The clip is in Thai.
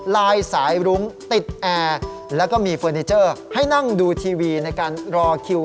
ลายสายรุ้งติดแอร์แล้วก็มีเฟอร์นิเจอร์ให้นั่งดูทีวีในการรอคิว